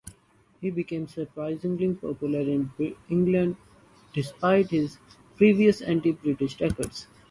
He became surprisingly popular in England, despite his previous anti-British record.